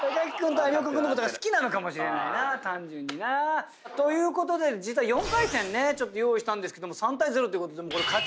木君と有岡君のことが好きなのかもしれない単純にな。ということで実は４回戦ね用意したんですけども３対０ってことでこれ。